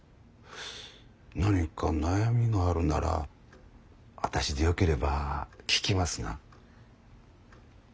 何か悩みがあるんなら私でよければ聞きますが。